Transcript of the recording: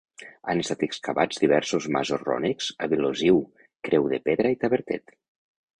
Han estat excavats diversos masos rònecs a Vilosiu, Creu de Pedra i Tavertet.